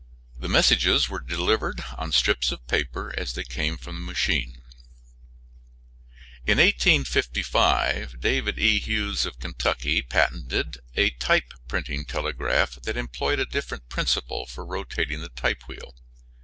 The messages were delivered on strips of paper as they came from the machine. In 1855 David E. Hughes of Kentucky patented a type printing telegraph that employed a different principle for rotating the type wheel.